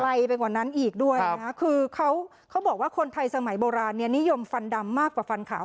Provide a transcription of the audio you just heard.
ไปกว่านั้นอีกด้วยนะคือเขาเขาบอกว่าคนไทยสมัยโบราณเนี่ยนิยมฟันดำมากกว่าฟันขาว